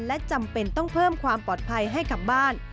และจำเป็นต้องเพิ่มความปลอดภัยให้กับบ้าน